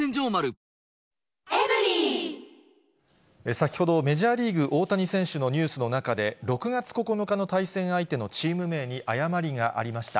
先ほど、メジャーリーグ、大谷選手のニュースの中で、６月９日の対戦相手のチーム名に誤りがありました。